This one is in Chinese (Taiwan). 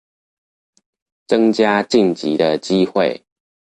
增加晉級的機會